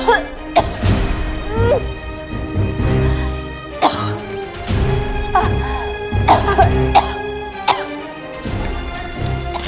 tidak ada apa apa